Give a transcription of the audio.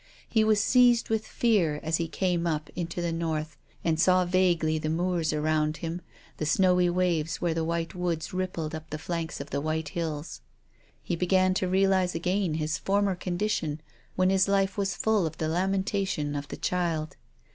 He was seized with fear as he came up into the north and saw vaguely the moors around him, the snowy waves where the white woods rippled up the flanks of the white hills. He began to realise again his former condition when his life was full of the lamentation of the child.